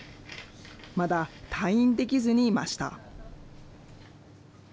まだ退院できずにいました。